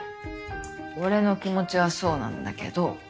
俺の気持ちはそうなんだけど。